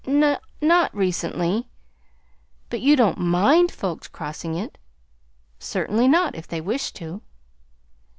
"Not recently." "But you don't MIND folks crossing it?" "Certainly not if they wish to."